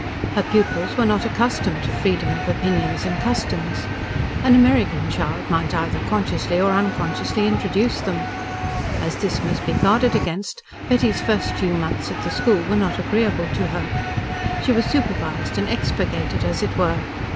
Her pupils were not accustomed to freedom of opinions and customs. An American child might either consciously or unconsciously introduce them. As this must be guarded against, Betty's first few months at the school were not agreeable to her. She was supervised and expurgated, as it were.